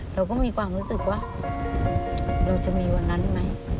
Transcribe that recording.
เราก็มีความรู้สึกว่าเราจะมีวันนั้นไหม